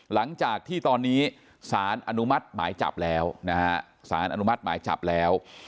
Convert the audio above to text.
หลังจากที่ตอนนี้สารอนุมัติหมายจับแล้วนะฮะสารอนุมัติหมายจับแล้ว